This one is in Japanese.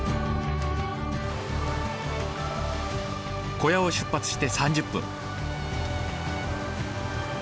小屋を出発して３０分。